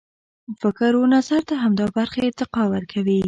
فکر و نظر ته همدا برخې ارتقا ورکوي.